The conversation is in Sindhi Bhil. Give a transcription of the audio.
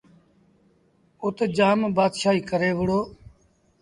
اَت جآم بآتشآهيٚ ڪري وُهڙآ۔